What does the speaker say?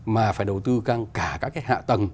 mà phải đầu tư cả các cái hạ tầng